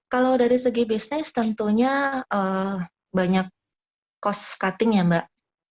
kalau dari segi bisnis tentunya banyak cost cutting ya mbak